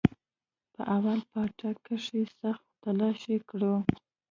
په اول پاټک کښې يې سخت تلاشي كړو.